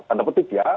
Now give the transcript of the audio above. tanda petik ya